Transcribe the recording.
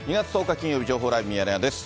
金曜日、情報ライブミヤネ屋です。